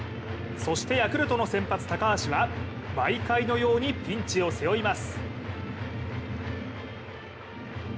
そしてヤクルトの先発・高橋は毎回のようにピンチを背負います。